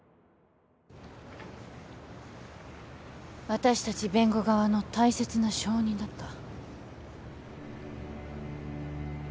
私たち弁護側の大切な証人だった。